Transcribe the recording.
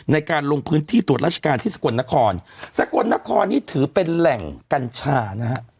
ในการลงพื้นที่ตรวจราชการที่สกลนครสกลนครนี่ถือเป็นแหล่งกัญชานะฮะ